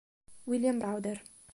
William Browder